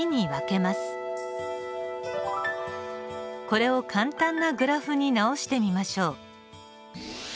これを簡単なグラフに直してみましょう。